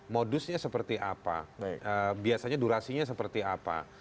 modusnya seperti apa biasanya durasinya seperti apa